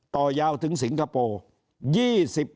ต่อยาวถึงสิงคโปร์๒๐บาท